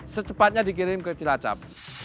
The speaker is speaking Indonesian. secepatnya dikirim ke cilacap